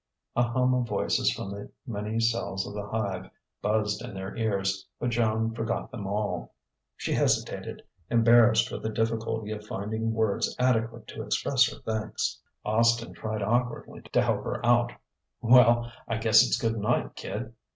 A hum of voices from the many cells of the hive buzzed in their ears. But Joan forgot them all. She hesitated, embarrassed with the difficulty of finding words adequate to express her thanks. Austin tried awkwardly to help her out: "Well, I guess it's good night, kid."